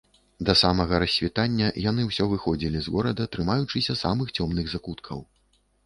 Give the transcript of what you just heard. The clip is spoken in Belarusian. Да самага рассвітання яны ўсё выходзілі з горада, трымаючыся самых цёмных закуткаў.